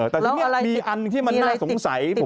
แต่ทีนี้มีอันที่มันน่าสงสัย